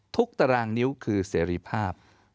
ตารางนิ้วคือเสรีภาพ